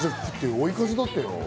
追い風だってよ。